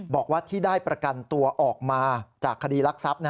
บอกว่าที่ได้ประกันตัวออกมาจากคดีรักทรัพย์